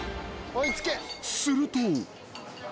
すると。